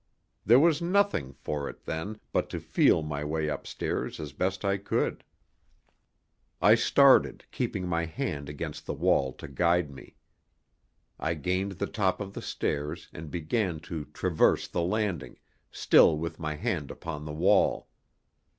There was nothing for it, then, but to feel my way upstairs as best I could. I started, keeping my hand against the wall to guide me. I gained the top of the stairs, and began to traverse the landing, still with my hand upon the wall.